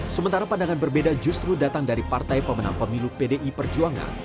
sementara pandangan berbeda justru datang dari partai pemenang pemilu pdi perjuangan